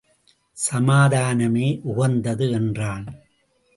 சமாதானமே உகந்தது என்றான்.